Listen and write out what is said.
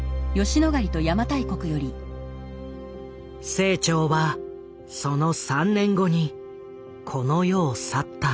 清張はその３年後にこの世を去った。